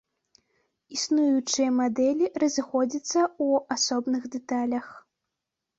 Існуючыя мадэлі разыходзяцца ў асобных дэталях.